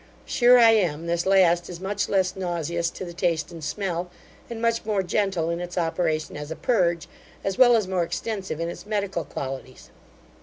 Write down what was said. Sure I am, this last is much less nauseous to the taste and smell, and much more gentle in its operation as a purge, as well as more extensive in its medical qualities.